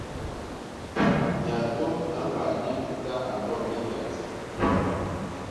Nyandôm a mba nyik ta a nnol i hyandi.